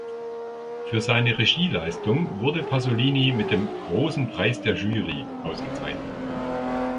Für seine Regieleistung wurde Pasolini mit dem "Großen Preis der Jury" ausgezeichnet.